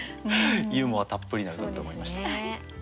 ユーモアたっぷりな歌だと思いました。